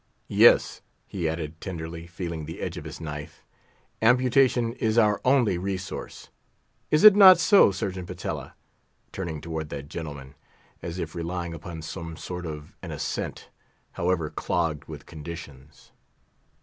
Yes," he added, tenderly feeling the edge of his knife, "amputation is our only resource. Is it not so, Surgeon Patella?" turning toward that gentleman, as if relying upon some sort of an assent, however clogged with conditions.